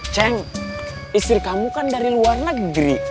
ceng istri kamu kan dari luar negeri